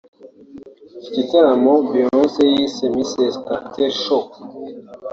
Iki gitaramo Beyonce yise Mrs Carter show